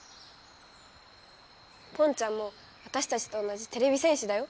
ポンちゃんもわたしたちと同じてれび戦士だよ。